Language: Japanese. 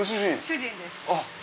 主人です。